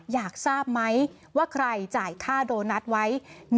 อยากทราบไหมว่าใครจ่ายค่าโดนัทไว้